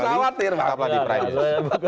jadi nggak usah khawatir bang